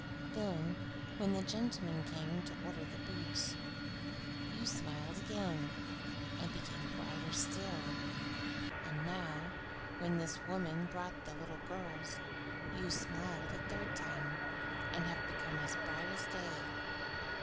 Then when the gentleman came to order the boots, you smiled again and became brighter still? And now, when this woman brought the little girls, you smiled a third time, and have become as bright as day?